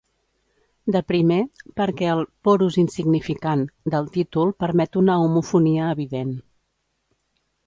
De primer, perquè el "porus insignificant" del títol permet una homofonia evident.